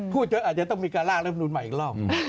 พูดเจ้าอาจจะต้องมีการลากเรื่องมนุนใหม่อีกรอบ